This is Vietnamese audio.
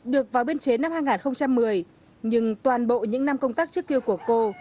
được vào biên chế năm hai nghìn một mươi nhưng toàn bộ những năm công tác trước kia của cô